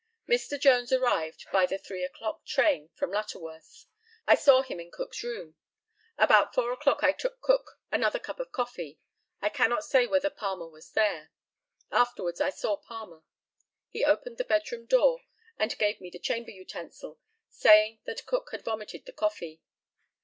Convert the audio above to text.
Mr. Jones arrived by the three o'clock train from Lutterworth. I saw him in Cook's room. About four o'clock I took Cook another cup of coffee. I cannot say whether Palmer was there. Afterwards I saw Palmer. He opened the bed room door and gave me the chamber utensil, saying that Cook had vomited the coffee.